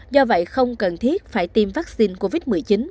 do vậy không cần thiết phải tiêm vaccine covid một mươi chín